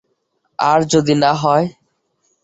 আর, যদি না হয়?